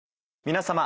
皆様。